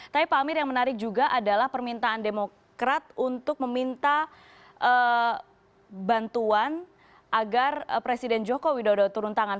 tapi pak amir yang menarik juga adalah permintaan demokrat untuk meminta bantuan agar presiden joko widodo turun tangan